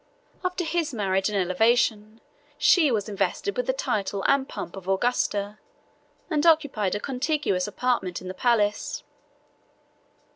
After his marriage and elevation, she was invested with the title and pomp of Augusta, and occupied a contiguous apartment in the palace.